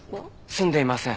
住んでいません。